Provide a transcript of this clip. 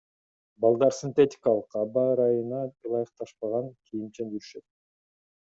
Балдар синтетикалык, аба ырайына ылайыкташпаган кийимчен жүрүшөт.